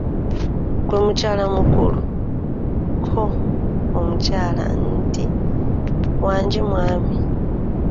Ggwe mukyala mukulu," Ko omukyala nti:"wangi mwami"